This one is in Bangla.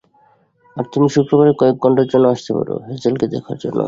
আর তুমি শুক্রবারে কয়েক ঘন্টার জন্যে আসতে পারো, হ্যাজেলকে দেখার জন্যে।